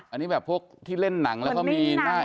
อันนี้แบบพวกที่เล่นหนังแล้วก็มีหน้า